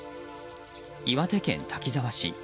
岩手県滝沢市。